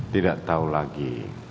tidak tahu lagi